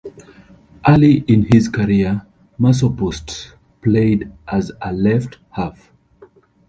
Early in his career, Masopust played as a left half.